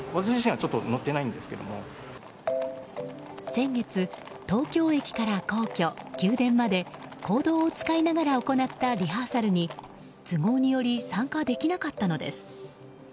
先月、東京駅から皇居・宮殿まで公道を使いながら行ったリハーサルに都合により参加できなかったのです。